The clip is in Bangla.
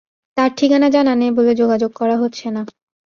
তার ঠিকানা জানা নেই বলে যোগাযোগ করা হচ্ছে না।